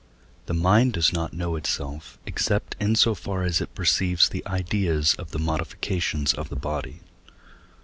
The mind does not know itself, except in so far as it perceives the ideas of the modifications of the body.